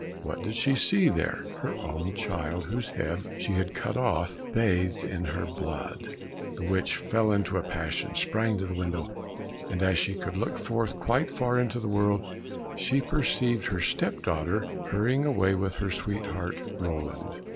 What did she see there? Her own child, whose head she had cut off, bathed in her blood. The witch fell into a passion, sprang to the window, and as she could look forth quite far into the world, she perceived her step daughter hurrying away with her sweetheart Roland.